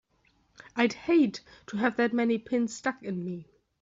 I'd hate to have that many pins stuck in me!